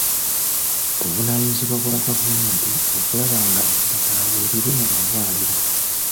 Buvunaanyizibwa bwa gavumenti okulaba nga eddagala weeriri mu malwaliro.